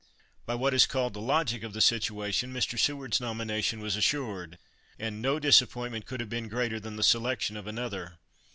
By what is called the logic of the situation Mr. Seward's nomination was assured, and no disappointment could have been greater than the selection of another.